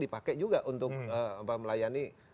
dipakai juga untuk melayani